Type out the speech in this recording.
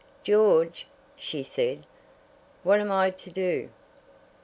"George," she said, "what am I to do?"